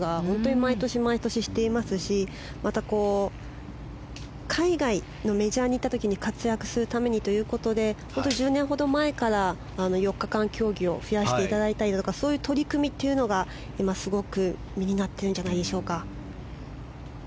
毎年、毎年していますしまた、海外のメジャーに行った時活躍するためにということで１０年ほど前から４日間競技を増やしていただいたりそういう取り組みが、今すごく身になってるんじゃないでしょうか。